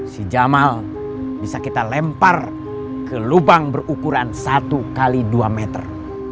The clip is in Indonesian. si jamal bisa kita lempar ke lubang berukuran satu x dua meter